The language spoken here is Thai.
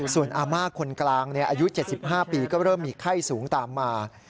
ส่วนอาม่าคนกลางอายุ๗๕ปีก็เริ่มมีไข้สูงตามมา